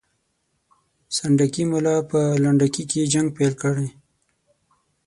سنډکي ملا به په لنډکي کې جنګ پیل کړي.